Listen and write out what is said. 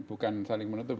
bukan saling menutupi